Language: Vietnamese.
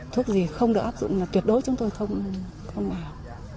thuốc gì không được áp dụng là tuyệt đối chúng tôi không vào